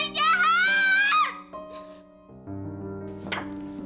lebih banyak lagi